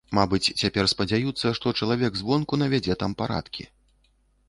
Мабыць, цяпер спадзяюцца, што чалавек звонку навядзе там парадкі.